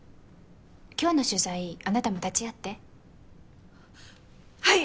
今日の取材あなたも立ち会ってはい！